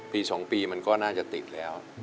๒ปีมันก็น่าจะติดแล้ว